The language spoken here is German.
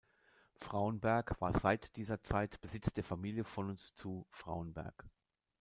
Fraunberg war seit dieser Zeit Besitz der Familie von und zu Fraunberg.